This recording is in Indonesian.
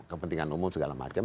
kepentingan umum segala macam